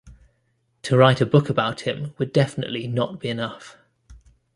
To write a book about him would definitely not be enough.